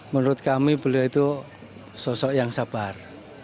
menurut kami beliau itu sosok yang sabar